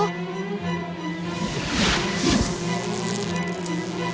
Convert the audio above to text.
tapi dia jatuh